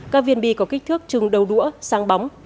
các viên bi có kích thước trừng đầu đũa sáng bóng